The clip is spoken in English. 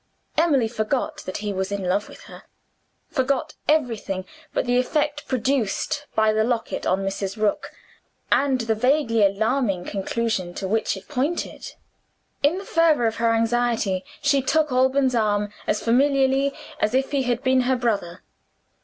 Emily forgot that he was in love with her forgot everything, but the effect produced by the locket on Mrs. Rook, and the vaguely alarming conclusion to which it pointed. In the fervor of her anxiety she took Alban's arm as familiarly as if he had been her brother.